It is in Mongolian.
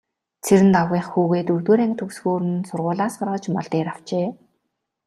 Цэрэндагвынх хүүгээ дөрөвдүгээр анги төгсөхөөр нь сургуулиас гаргаж мал дээр авчээ.